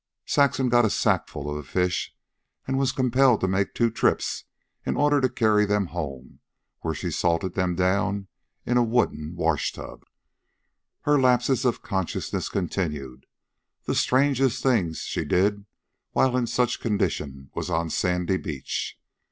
Saxon got a sackful of the fish, and was compelled to make two trips in order to carry them home, where she salted them down in a wooden washtub. Her lapses of consciousness continued. The strangest thing she did while in such condition was on Sandy Beach.